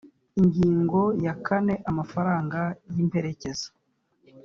ingingo ya kane amafaranga y imperekeza